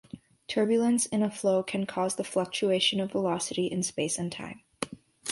Turbulence in a flow can cause the fluctulation of velocity in space and time.